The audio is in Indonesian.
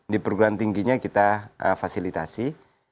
di perguruan tingginya kita fasilitasi